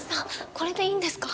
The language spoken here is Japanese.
これでいいんですか？